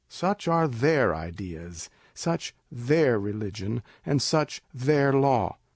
"Such are their ideas; such their religion, and such their law.